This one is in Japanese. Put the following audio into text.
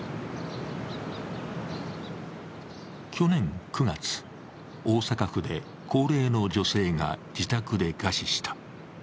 去年９月、大阪府で高齢の女性が自宅で餓死した。